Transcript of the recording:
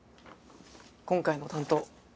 今回の担当